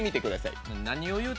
何を言うて。